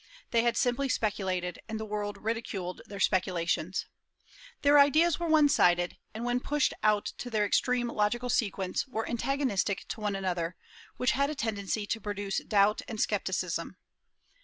They had simply speculated, and the world ridiculed their speculations. Their ideas were one sided, and when pushed out to their extreme logical sequence were antagonistic to one another; which had a tendency to produce doubt and scepticism.